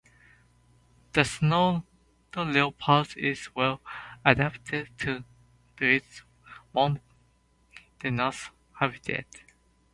The snow leopard is well-adapted to its mountainous habitat.